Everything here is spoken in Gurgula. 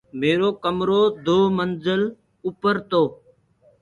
ميرو ڪمرو دو منجل اوپر تو